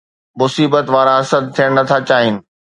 مصيبت وارا حسد ٿيڻ نٿا چاهين